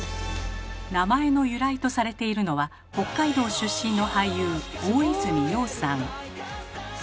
名前の由来とされているのは北海道出身の俳優大泉洋さん。